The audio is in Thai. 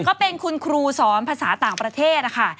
ก็เป็นคุณครูสอนภาษาต่างประเทศนะคะ